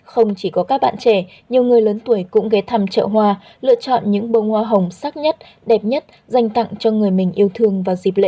không chỉ có các bạn trẻ nhiều người lớn tuổi cũng ghé thăm chợ hoa lựa chọn những bông hoa hồng sắc nhất đẹp nhất dành tặng cho người mình yêu thương vào dịp lễ tết